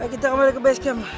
kita kembali ke base camp